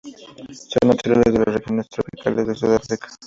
Son naturales de las regiones subtropicales de Sudáfrica.